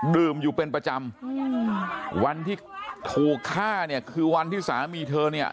ดื่มอยู่เป็นประจำอืมวันที่ถูกฆ่าเนี่ยคือวันที่สามีเธอเนี่ย